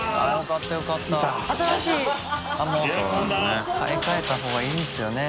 買い替えたほうがいいんですよね。